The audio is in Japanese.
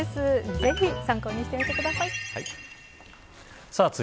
ぜひ、参考にしてみてください。